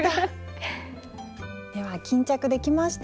では巾着できました！